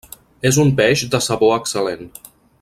És un peix de sabor excel·lent.